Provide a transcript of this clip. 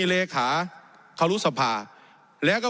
มีล้ำตีตั้นเนี่ยมีล้ำตีตั้นเนี่ย